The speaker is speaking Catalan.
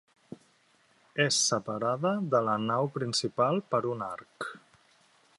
És separada de la nau principal per un arc.